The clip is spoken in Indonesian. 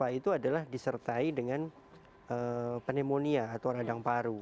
gejala itu adalah disertai dengan pneumonia atau radang paru